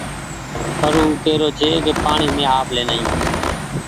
پر او ڪيرو ڇي ڪي پآڻيٚ مينٚ آپ لين آيون